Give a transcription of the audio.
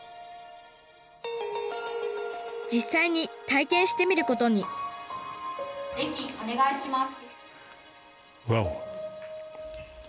実際に体験してみることに電気お願いします。